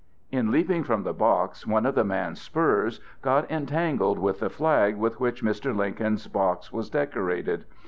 In leaping from the box, one of the man's spurs got entangled with the flag with which Mr. Lincoln's box was decorated.